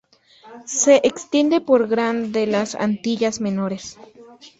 Se extiende por gran de las antillas menores.